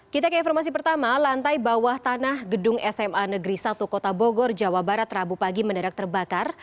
kita ke informasi pertama lantai bawah tanah gedung sma negeri satu kota bogor jawa barat rabu pagi mendadak terbakar